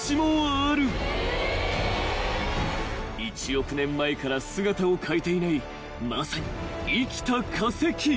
［１億年前から姿を変えていないまさに生きた化石］